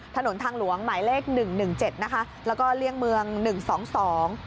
ถนนทางหลวงหมายเลขหนึ่งหนึ่งเจ็ดนะคะแล้วก็เลี่ยงเมืองหนึ่งสองสอง